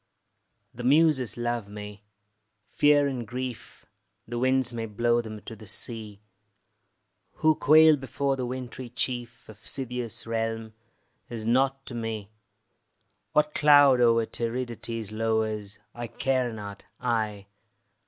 The Muses love me: fear and grief, The winds may blow them to the sea; Who quail before the wintry chief Of Scythia's realm, is nought to me. What cloud o'er Tiridates lowers, I care not, I.